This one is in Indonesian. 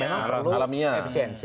memang perlu efisiensi